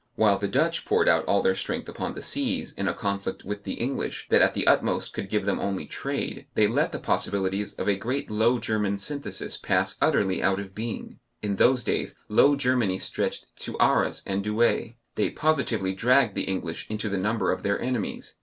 While the Dutch poured out all their strength upon the seas, in a conflict with the English that at the utmost could give them only trade, they let the possibilities of a great Low German synthesis pass utterly out of being. (In those days Low Germany stretched to Arras and Douay.) They positively dragged the English into the number of their enemies.